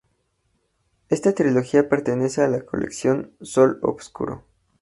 Esta trilogía pertenece a la colección Sol Oscuro.